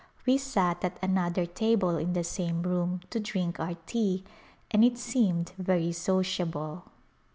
We sat at another table in the same room to drink our tea and it seemed very sociable.